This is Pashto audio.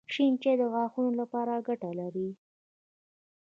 شېن چای د غاښونو دپاره ګټه لري